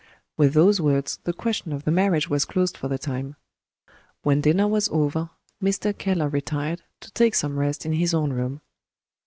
With those words the question of the marriage was closed for the time. When dinner was over, Mr. Keller retired, to take some rest in his own room.